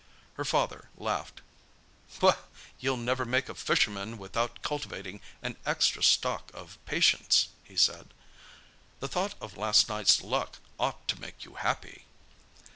Her father laughed. "You'll never make a fisherman without cultivating an extra stock of patience," he said. "The thought of last night's luck ought to make you happy."